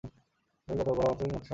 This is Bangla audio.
এভাবে বলা মাত্রই করা সম্ভব না।